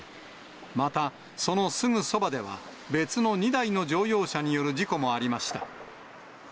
またそのすぐそばでは、別の２台の乗用車による事故もありました。